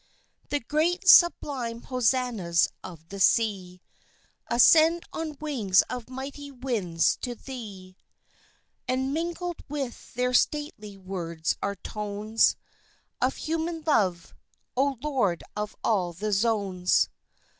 The great, sublime hosannas of the sea Ascend on wings of mighty winds to Thee, And mingled with their stately words are tones Of human love, O Lord of all the zones!